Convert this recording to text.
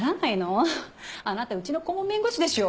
あなたうちの顧問弁護士でしょ。